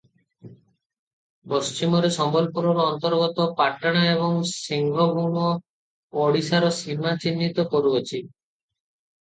ପଶ୍ଚିମରେ ସମ୍ବଲପୁରର ଅନ୍ତର୍ଗତ ପାଟଣା ଏବଂ ସିଂହଭୂମ ଓଡ଼ିଶାର ସୀମା ଚିହ୍ନିତ କରୁଅଛି ।